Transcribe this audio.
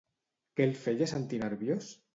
Què el feia sentir nerviós?